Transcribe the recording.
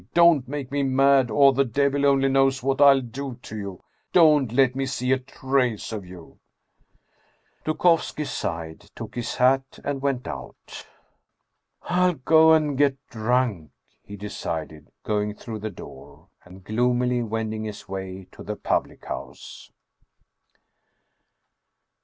Don't make me mad, or the devil only knows what I'll do to you ! Don't let me see a trace of you !" Dukovski sighed, took his hat, and went out. " I'll go and get drunk," he decided, going through the door, and gloomily wending his way to the public house.